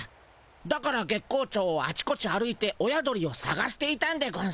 だから月光町をあちこち歩いて親鳥をさがしていたんでゴンス。